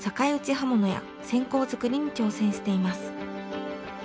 刃物や線香づくりに挑戦しています。